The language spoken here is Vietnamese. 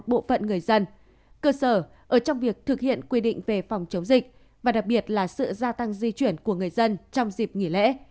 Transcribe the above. bộ phận người dân cơ sở ở trong việc thực hiện quy định về phòng chống dịch và đặc biệt là sự gia tăng di chuyển của người dân trong dịp nghỉ lễ